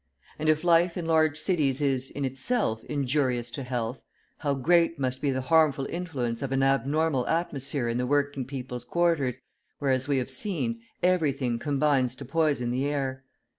And if life in large cities is, in itself, injurious to health, how great must be the harmful influence of an abnormal atmosphere in the working people's quarters, where, as we have seen, everything combines to poison the air.